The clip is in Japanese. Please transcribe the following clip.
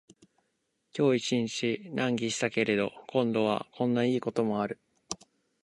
今日一日難儀したけれど、今度はこんないいこともある